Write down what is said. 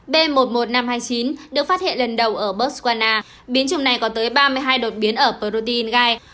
b một một năm trăm hai mươi chín được phát hiện lần đầu ở botswana biến chủng này có tới ba mươi hai đột biến ở protein gai